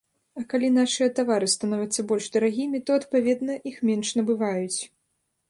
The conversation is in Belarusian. А калі нашыя тавары становяцца больш дарагімі, то, адпаведна, іх менш набываюць.